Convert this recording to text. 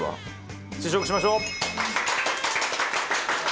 試食しましょう。